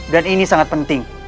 dan ini sangat penting